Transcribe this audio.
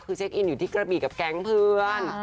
คือเช็คอินอยู่ที่กระบีกับแก๊งเพื่อน